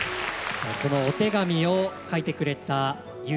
このお手紙を書いてくれた結妃ちゃん